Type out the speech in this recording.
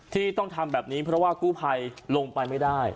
ที่ต้องทำแบบนี้เพราะว่ากู้ภัยลงไปไม่ได้